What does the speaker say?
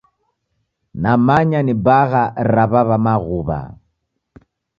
Namanya ni bagha ra w'aw'a Maghuwa.